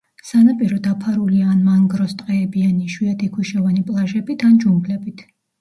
სანაპირო დაფარულია ან მანგროს ტყეებიანი იშვიათი ქვიშოვანი პლაჟებით, ან ჯუნგლებით.